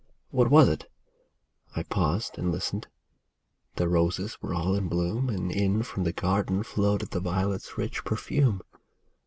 What was it ? I paused and listened ; The roses were all in bloom. And in from the garden floated The violet's rich perfume.